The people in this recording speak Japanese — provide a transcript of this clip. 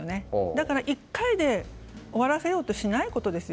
だから１回で終わらせようとしないということです。